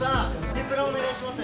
天ぷらお願いします。